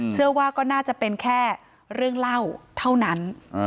เชื่อว่าก็น่าจะเป็นแค่เรื่องเล่าเท่านั้น